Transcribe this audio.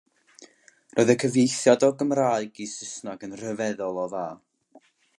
Roedd y cyfieithiad o Gymraeg i Saesneg yn rhyfeddol o dda.